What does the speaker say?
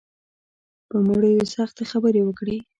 پر مړو یې سختې خبرې وکړې.